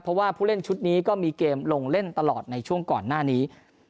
เพราะว่าผู้เล่นชุดนี้ก็มีเกมลงเล่นตลอดในช่วงก่อนหน้านี้